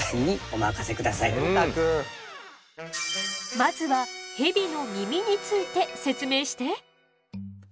まずはヘビの耳について説明して！